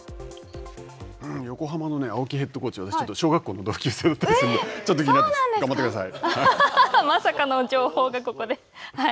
横浜の青木ヘッドコーチ、小学校の同級生だったので、まさかの情報がここで。